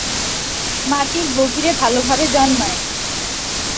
মাটির গভীরে ভালভাবে জন্মায়।